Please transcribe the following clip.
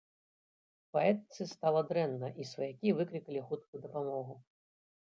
Паэтцы стала дрэнна, і сваякі выклікалі хуткую дапамогу.